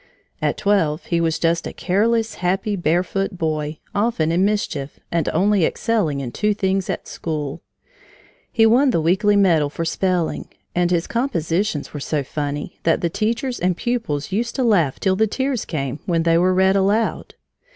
At twelve he was just a careless, happy, barefoot boy, often in mischief, and only excelling in two things at school. He won the weekly medal for spelling, and his compositions were so funny that the teachers and pupils used to laugh till the tears came, when they were read aloud.